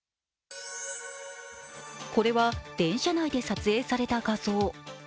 これは電車内で撮影された画像。